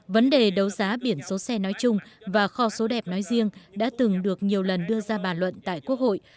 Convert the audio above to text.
vấn đề đấu giá biển số xe nói chung và kho số đẹp nói riêng đã từng được nhiều lần đưa ra bàn luận tại quốc hội